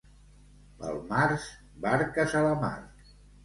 Pel març, barques a la mar.